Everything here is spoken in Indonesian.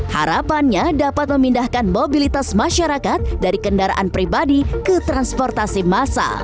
harapannya dapat memindahkan mobilitas masyarakat dari kendaraan pribadi ke transportasi massal